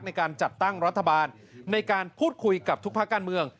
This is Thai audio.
ในการจัดตั้งรัฐบาลในการพูดคุยกับทุกภาคการเมือง